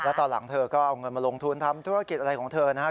แล้วตอนหลังเธอก็เอาเงินมาลงทุนทำธุรกิจอะไรของเธอนะครับ